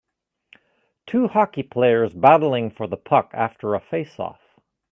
Two hockey players battling for the puck after a face off.